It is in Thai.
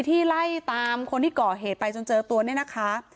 ที่ไล่ตามคนที่ก่อเหตุไปจนเจอตัวเนี่ยนะคะ